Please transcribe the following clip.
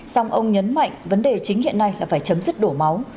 song ông nhấn mạnh vấn đề chính hiện nay là phải chấm dứt đổ máu